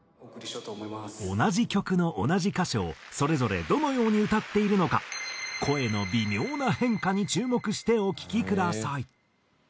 同じ曲の同じ箇所をそれぞれどのように歌っているのか声の微妙な変化に注目してお聴きください。